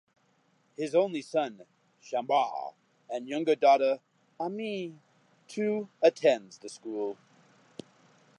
His only son Shambhu and younger daughter Aami too attends the school.